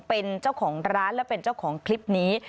เป็นเจ้าของร้านและเป็นเจ้าของคลิปนี้